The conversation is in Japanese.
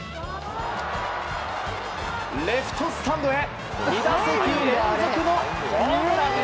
レフトスタンドへ２打席連続のホームラン！